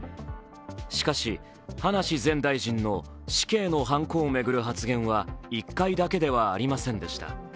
しかし、葉梨前大臣の死刑のはんこを巡る発言は１回だけではありませんでした。